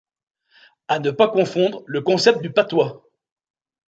À ne pas confondre le concept du patois.